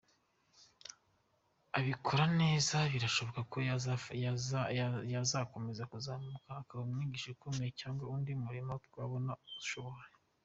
Abikora neza, biranashoboka ko yazakomeza kuzamuka akaba umwigisha ukomeye cyangwa undi murimo twabona ashoboye.